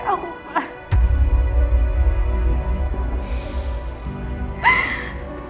sibuk ngurusin mbak andin